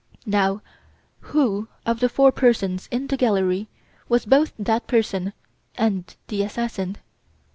"Now who of the four persons in the gallery was both that person and the assassin?